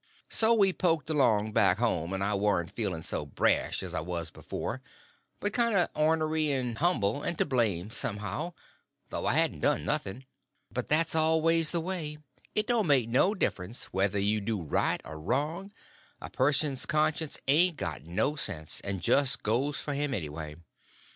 So we poked along back home, and I warn't feeling so brash as I was before, but kind of ornery, and humble, and to blame, somehow—though I hadn't done nothing. But that's always the way; it don't make no difference whether you do right or wrong, a person's conscience ain't got no sense, and just goes for him anyway.